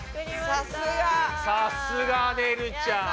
さすがねるちゃん。